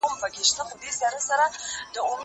زه به سبا درسونه اورم وم؟